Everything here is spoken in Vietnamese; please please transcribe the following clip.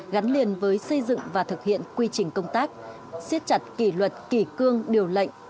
gắn liền với xây dựng và thực hiện quy trình công tác xiết chặt kỷ luật kỷ cương điều lệnh